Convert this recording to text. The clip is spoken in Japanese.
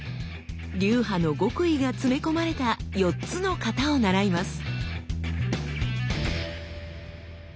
流派の極意が詰め込まれた４つの形を習います。